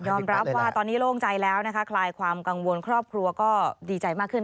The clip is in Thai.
รับว่าตอนนี้โล่งใจแล้วนะคะคลายความกังวลครอบครัวก็ดีใจมากขึ้น